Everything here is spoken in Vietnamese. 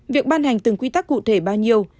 việc ban hành từng quy tắc cụ thể bao nhiêu